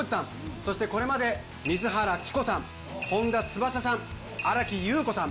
そしてこれまで水原希子さん本田翼さん新木優子さん